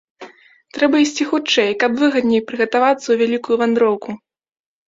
Трэба ісці хутчэй, каб выгадней прыгатавацца ў вялікую вандроўку!